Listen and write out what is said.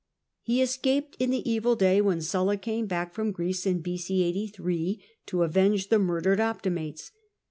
He escaped in the evil day when Sulla came hack from Greece in B.C. 83 to avenge the murdered Optimates.